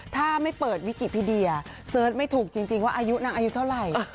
ถ้าไม่เปิดวิกิพี่เดียเสิร์ชไม่ถูกจริงว่าอายุนางอายุเท่าไหร่